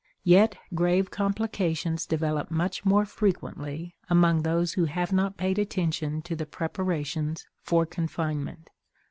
Yet grave complications develop much more frequently among those who have not paid attention to the preparations for confinement.